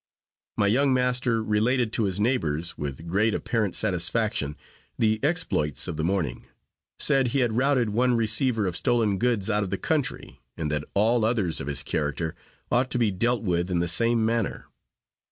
My young master related to his neighbors, with great apparent satisfaction, the exploits of the morning; said he had routed one receiver of stolen goods out of the country, and that all others of his character ought to be dealt with in the same manner.